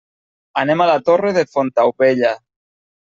Anem a la Torre de Fontaubella.